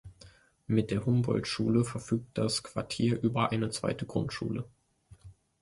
Mit der Humboldtschule verfügt das Quartier über eine zweite Grundschule.